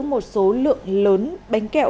một số lượng lớn bánh kẹo